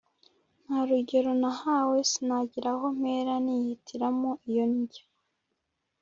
Nta rugero nahawe Sinagira aho mpera Nihitiramo iyo njya!